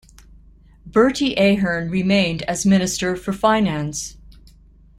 Bertie Ahern remained as Minister for Finance.